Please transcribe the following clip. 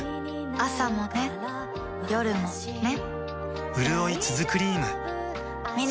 朝もね、夜もね